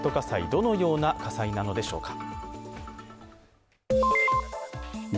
どのような火災なのでしょうか。